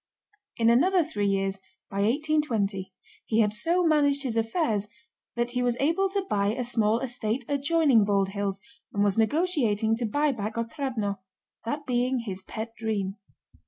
In another three years, by 1820, he had so managed his affairs that he was able to buy a small estate adjoining Bald Hills and was negotiating to buy back Otrádnoe—that being his pet dream.